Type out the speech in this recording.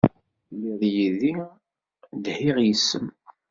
Telliḍ yid-i dhiɣ yes-m.